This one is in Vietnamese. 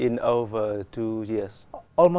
nó tên là